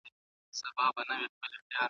وزارت دوه اړخونه لري: د مرکز تشکیل او ولایتونه.